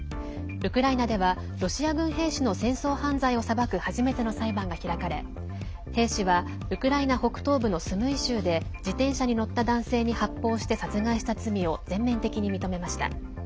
ウクライナではロシア軍兵士の戦争犯罪を裁く初めての裁判が開かれ兵士は、ウクライナ北東部のスムイ州で自転車に乗った男性に発砲して殺害した罪を全面的に認めました。